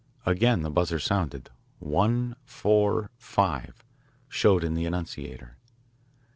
Again the buzzer sounded. "One," "four," "five" showed in the annunciator.